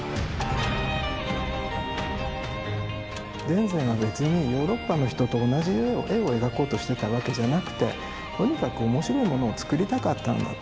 田善は別にヨーロッパの人と同じ絵を描こうとしてたわけじゃなくてとにかく面白いものを作りたかったんだと。